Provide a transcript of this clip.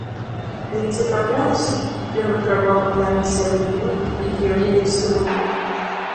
Калі дзе траплялася, ён выграбаў рукамі з зямлі бульбу і еў яе сырую.